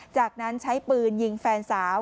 จากนั้นใช้ปืนยิงแฟนสาว